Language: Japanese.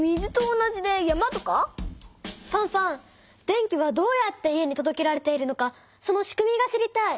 電気はどうやって家にとどけられているのかそのしくみが知りたい！